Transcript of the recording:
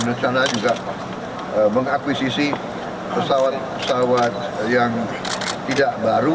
mencana juga mengakuisisi pesawat pesawat yang tidak baru